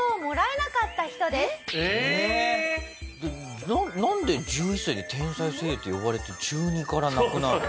なんで１１歳で天才声優って呼ばれて中２からなくなるの？